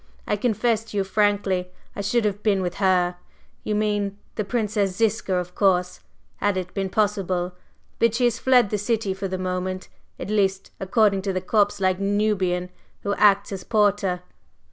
I confess to you frankly I should have been with her you mean the Princess Ziska, of course had it been possible. But she has fled the city for the moment at least, according to the corpse like Nubian who acts as porter."